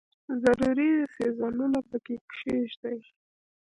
ضروري څیزونه پکې کښېږدي.